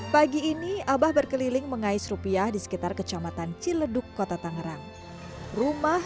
pagi ini abah berkeliling mengais rupiah di sekitar kecamatan ciledug kota tangerang rumah